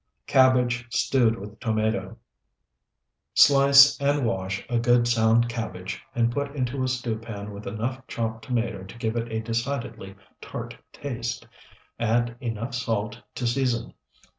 CABBAGE STEWED WITH TOMATO Slice and wash a good sound cabbage and put into a stew pan with enough chopped tomato to give it a decidedly tart taste. Add enough salt to season.